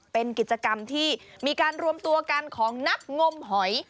เป็นกิจกรรมที่มีการรวมตัวกันของนักงมหอย